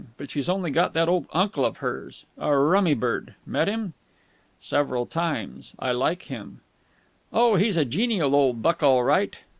But she's only got that old uncle of hers. A rummy bird. Met him?" "Several times. I like him." "Oh, he's a genial old buck all right.